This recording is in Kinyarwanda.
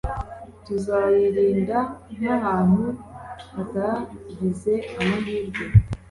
Tuzayirinda nkahantu hatagize amahirwe?